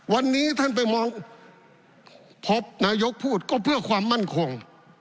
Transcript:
วันนี้ท่านไปมองพบนายกพูดก็เพื่อความมั่นคง